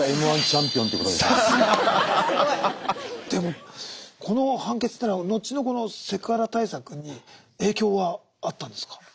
でもこの判決っていうのは後のセクハラ対策に影響はあったんですか。